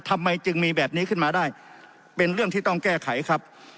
ทำไมจึงมีแบบนี้ขึ้นมาได้เป็นเรื่องที่ต้องแก้ไขครับ